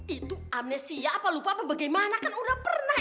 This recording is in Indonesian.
itu amnesia apa lupa apa bagaimana kan udah pernah